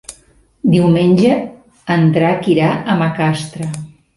Diumenge en Drac irà a Macastre.